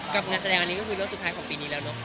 ห้องให้ฉริน